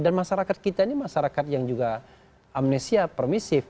dan masyarakat kita ini masyarakat yang juga amnesia permisif